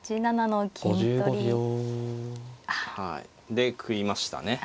で食いましたね。